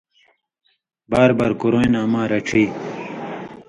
بار بار کُرویں نہ اما رڇھی۔